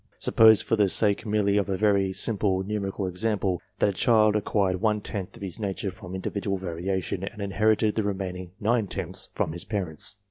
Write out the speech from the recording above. Suppose, for the sake merely of a very simple numerical example, that a child acquired one tenth of his nature from individual variation, and inherited the remaining nine tenths from his parents.